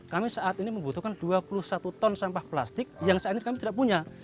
kami saat ini membutuhkan dua puluh satu ton sampah plastik yang saat ini kami tidak punya